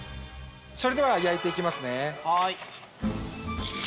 それでは焼いて行きますね。